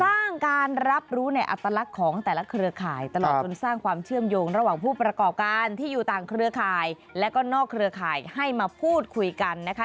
สร้างการรับรู้ในอัตลักษณ์ของแต่ละเครือข่ายตลอดจนสร้างความเชื่อมโยงระหว่างผู้ประกอบการที่อยู่ต่างเครือข่ายและก็นอกเครือข่ายให้มาพูดคุยกันนะคะ